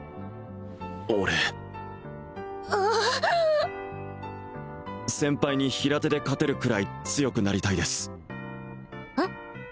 俺先輩に平手で勝てるくらい強くなりたいですえっ？